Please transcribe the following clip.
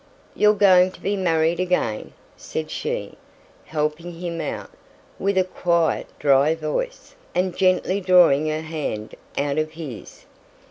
"You're going to be married again," said she, helping him out, with a quiet dry voice, and gently drawing her hand out of his.